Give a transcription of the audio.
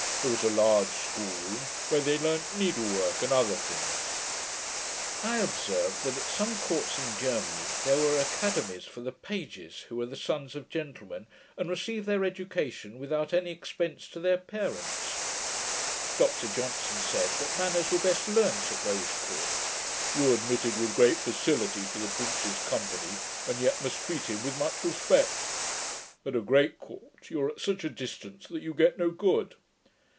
There was a large school room, where they learnt needlework and other things.' I observed, that, at some courts in Germany, there were academies for the pages, who are the sons of gentlemen, and receive their education without any expence to their parents. Dr Johnson said, that manners were best learnt at those courts. 'You are admitted with great facility to the prince's company, and yet must treat him with much respect. At a great court, you are at such a distance that you get no good.'